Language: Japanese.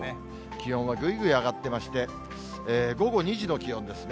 気温はぐいぐい上がってまして、午後２時の気温ですね。